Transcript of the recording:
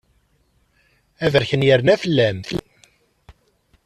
Aberkan yerna fell-am.